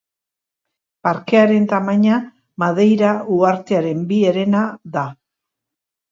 Parkearen tamaina Madeira uhartearen bi herena da.